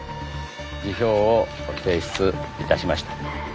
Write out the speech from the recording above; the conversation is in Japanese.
辞表を提出いたしました。